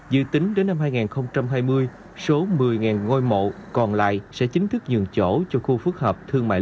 dự tính đến năm hai nghìn hai mươi số một mươi ngôi mộ còn lại sẽ chính thức nhường chỗ cho khu phức hợp thương mại